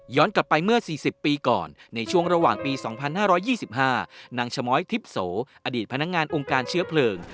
กลับไปเมื่อ๔๐ปีก่อนในช่วงระหว่างปี๒๕๒๕นางชะม้อยทิพย์โสอดีตพนักงานองค์การเชื้อเพลิง